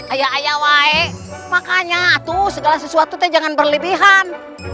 ayah ayah wae makanya atuh segala sesuatu jangan berlebihan